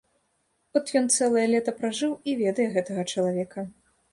От ён цэлае лета пражыў і ведае гэтага чалавека.